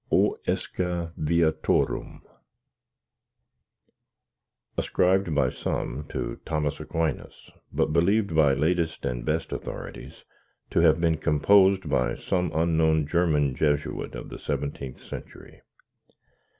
O ESCA VIATORUM Ascribed by some to Thomas Aquinas, but believed by latest and best authorities to have been composed by some unknown German Jesuit of the seventeenth century.